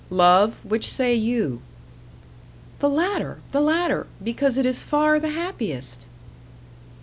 Love, which say you?" "The latter, the latter because it is far the happiest."